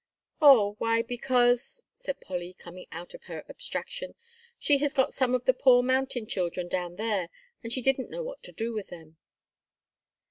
"Oh, why because," said Polly, coming out of her abstraction, "she has got some of the poor mountain children down there, and she didn't know what to do with them."